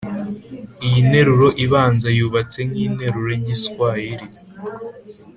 iyi nteruro ibanza yubatse nk’interuro y’igiswahiri